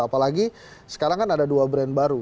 apalagi sekarang kan ada dua brand baru